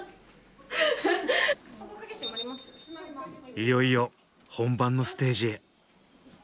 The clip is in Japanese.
いよいよ本番のステージへ。